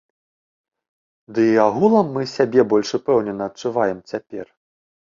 Ды і агулам, мы сябе больш упэўнена адчуваем цяпер.